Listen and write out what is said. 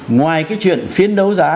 ngoài cái chuyện phiến đấu giá